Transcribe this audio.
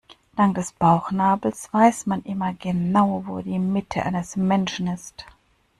Dank des Bauchnabels weiß man immer genau, wo die Mitte eines Menschen ist.